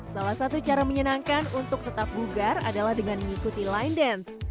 salah satu cara menyenangkan untuk tetap bugar adalah dengan mengikuti line dance